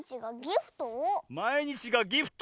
「まいにちがギフト」？